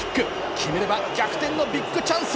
決めれば逆転のビッグチャンス。